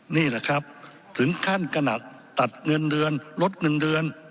นี่แหละครับถึงขั้นขนาดตัดเงินเดือนลดเงินเดือน